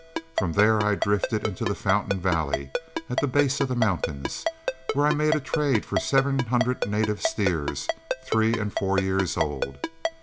From there I drifted into the Fountain valley at the base of the mountains, where I made a trade for seven hundred native steers, three and four years old.